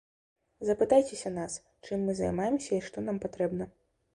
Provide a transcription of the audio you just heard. Запытайцеся нас, чым мы займаемся і што нам патрэбна.